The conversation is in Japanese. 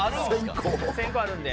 １０００個あるんで。